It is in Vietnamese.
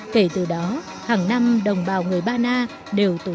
kể từ đó hàng năm đồng bào người ba na đều tham gia